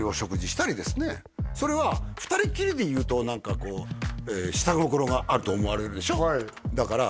それは２人っきりで言うと何かこう下心があると思われるでしょ？